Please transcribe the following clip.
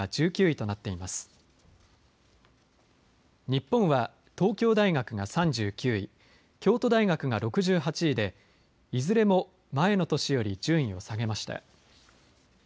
日本は東京大学が３９位、京都大学が６８位でいずれも前の年より順位を下げました。